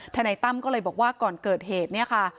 นายตั้มก็เลยบอกว่าก่อนเกิดเหตุเนี่ยค่ะ